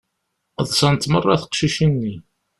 Ḍsant meṛṛa teqcicin-nni.